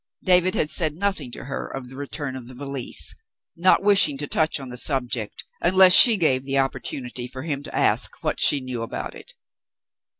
David had said nothing to her of the return of the valise, not wishing to touch on the sub ject unless she gave the opportunity for him to ask what she knew about it.